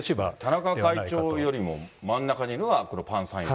田中会長よりも真ん中にいるのがこのパン・サンイル。